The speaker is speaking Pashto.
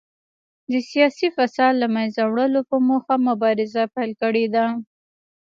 د سیاسي فساد له منځه وړلو په موخه مبارزه پیل کړې وه.